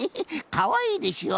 かわいいでしょ？